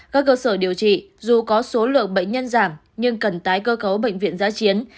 các cơ sở điều trị dù có số lượng bệnh nhân giảm nhưng cần tái cơ cấu bệnh viện giá chiến